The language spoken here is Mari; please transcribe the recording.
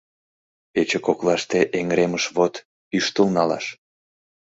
Пече коклаште эҥыремышвот — ӱштыл налаш!